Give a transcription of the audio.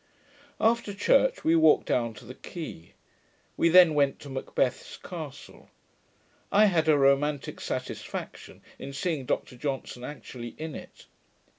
After church, we walked down to the Quay. We then went to Macbeth's castle. I had a romantick satisfaction in seeing Dr Johnson actually in it.